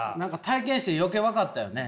体験して余計分かったよね？